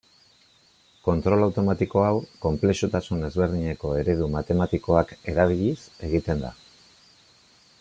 Kontrol automatiko hau konplexutasun ezberdineko eredu matematikoak erabiliz egiten da.